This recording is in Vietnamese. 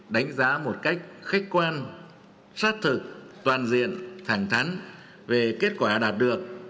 đánh giá một cách khách quan sát thực toàn diện thẳng thắn về kết quả đạt được